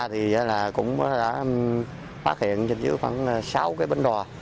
thì cũng đã phát hiện dưới khoảng sáu cái bến đỏ